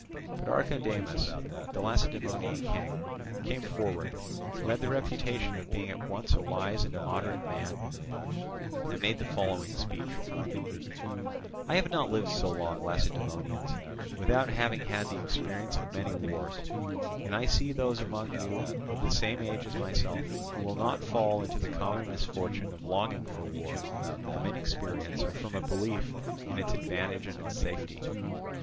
But Archidamus, the Lacedaemonian king, came forward, who had the reputation of being at once a wise and a moderate man, and made the following speech: "I have not lived so long, Lacedaemonians, without having had the experience of many wars, and I see those among you of the same age as myself, who will not fall into the common misfortune of longing for war from inexperience or from a belief in its advantage and its safety.